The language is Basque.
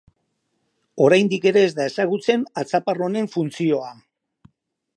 Oraindik ere ez da ezagutzen atzapar honen funtzioa.